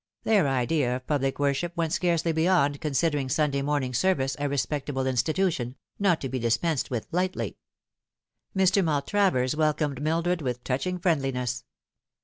Their idea of public worship went scarcely beyond considering Sunday morning service a respectable institution, not to be dispensed with lightly. 04 The Fatal Three. Mr. Maltravers welcomed Mildred with touching friendliness.